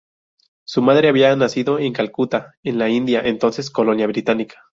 Su madre había nacido en Calcuta, en la India, entonces colonia británica.